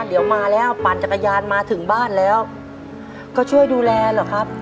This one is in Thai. เดี๋ยวมาแล้วปั่นจักรยานมาถึงบ้านแล้วก็ช่วยดูแลเหรอครับ